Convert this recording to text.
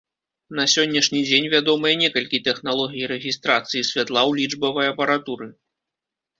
На сённяшні дзень вядомыя некалькі тэхналогій рэгістрацыі святла ў лічбавай апаратуры.